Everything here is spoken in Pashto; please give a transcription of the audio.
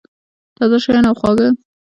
تازه شیان او خواږه